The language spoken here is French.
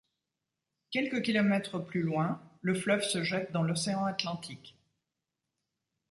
Quelques kilomètres plus loin, le fleuve se jette dans l'océan Atlantique.